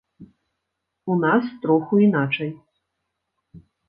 У нас троху іначай.